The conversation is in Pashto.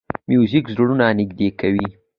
موزیک زړونه نږدې کوي.